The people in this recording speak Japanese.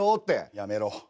やめろ。